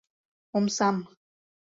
Омсам